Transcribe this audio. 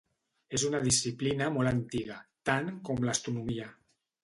És una disciplina molt antiga, tant com l'astronomia.